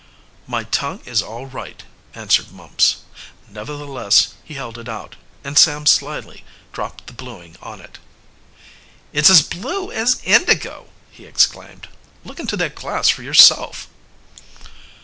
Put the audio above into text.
"My tongue is all right," answered Mumps. Nevertheless, he held it out; and Sam slyly dropped the bluing on it. "It's as blue as indigo!" he exclaimed, "Look into the glass for yourself."